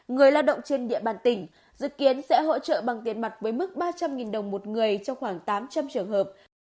người lao động trên địa bàn tỉnh dự kiến sẽ hỗ trợ bằng tiền mặt với mức ba trăm linh đồng một người cho khoảng tám trăm linh trường hợp